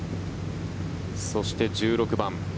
そして、１６番。